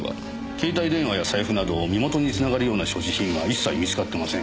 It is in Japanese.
携帯電話や財布など身元につながるような所持品は一切見つかってません。